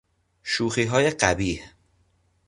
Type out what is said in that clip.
شوخیهای قبیح